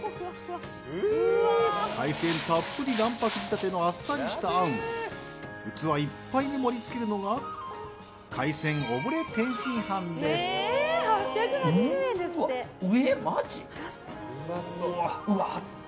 海鮮たっぷり卵白仕立てのあっさりしたあんを器いっぱいに盛り付けるのが８８０円ですって。